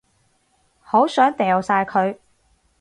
好想掉晒佢